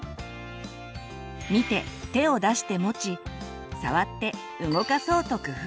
見て手を出して持ち触って動かそうと工夫する。